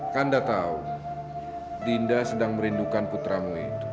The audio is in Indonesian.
kanda tahu dinda sedang merindukan putramu itu